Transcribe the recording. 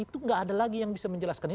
itu enggak ada lagi yang bisa menjelaskan